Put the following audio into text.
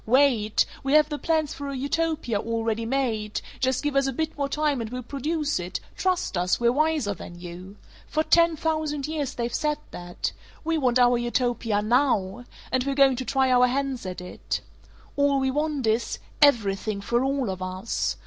Wait! We have the plans for a Utopia already made; just give us a bit more time and we'll produce it; trust us; we're wiser than you.' For ten thousand years they've said that. We want our Utopia NOW and we're going to try our hands at it. All we want is everything for all of us!